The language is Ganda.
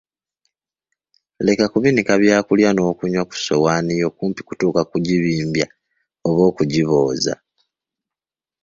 Leka kubinika byakulya n'okunywa ku ssowaani yo kumpi kutuuka kugibimbya oba okigibooza.